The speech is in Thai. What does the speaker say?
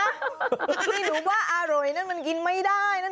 ที่หนูว่าอร่อยนั่นมันกินไม่ได้นะ